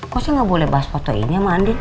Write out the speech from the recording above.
kok saya gak boleh bahas foto ini sama andien